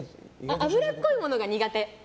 脂っこいものが苦手。